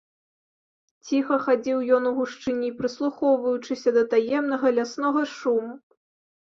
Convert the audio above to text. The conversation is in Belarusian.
Ціха хадзіў ён у гушчыні, прыслухоўваючыся да таемнага ляснога шуму.